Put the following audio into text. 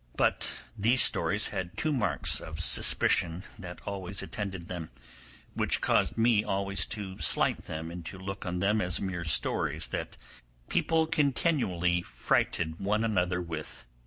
But these stories had two marks of suspicion that always attended them, which caused me always to slight them and to look on them as mere stories that people continually frighted one another with.